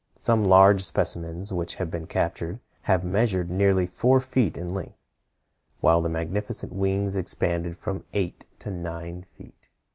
Some large specimens which have been captured have measured nearly four feet in length, while the magnificent wings expanded from eight to nine feet.